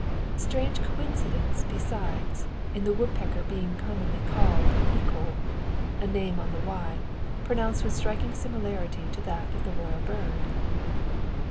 Strange coincidence besides, in the woodpecker being commonly called "eekol" a name, on the Wye, pronounced with striking similarity to that of the royal bird!